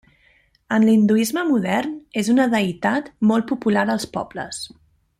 En l'hinduisme modern és una deïtat molt popular als pobles.